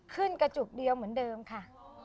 กระจุกเดียวเหมือนเดิมค่ะ